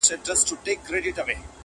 کلي کي سړه فضا ده ډېر,